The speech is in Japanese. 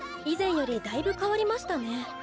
以前よりだいぶ変わりましたね。